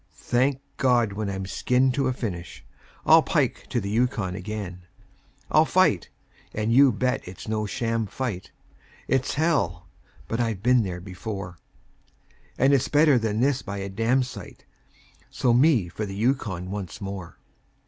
Thank God! when I'm skinned to a finish I'll pike to the Yukon again. I'll fight and you bet it's no sham fight; It's hell! but I've been there before; And it's better than this by a damsite So me for the Yukon once more.